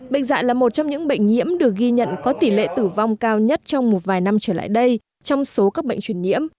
bệnh dại là một trong những bệnh nhiễm được ghi nhận có tỷ lệ tử vong cao nhất trong một vài năm trở lại đây trong số các bệnh truyền nhiễm